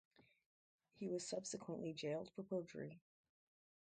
He was subsequently jailed for perjury.